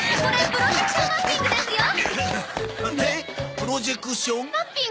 プロジェクション？